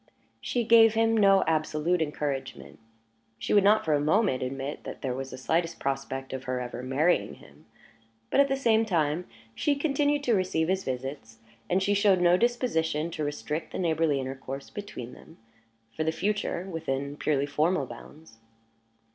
She gave him no absolute encouragement; she would not for a moment admit that there was the slightest prospect of her ever marrying him; but, at the same time, she continued to receive his visits, and she showed no disposition to restrict the neighborly intercourse between them, for the future, within purely formal bounds.